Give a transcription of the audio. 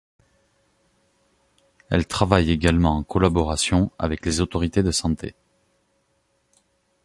Elle travaille également en collaboration avec les autorités de santé.